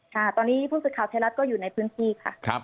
ค่ะตอนนี้ผู้สื่อข่าวไทยรัฐก็อยู่ในพื้นที่ค่ะ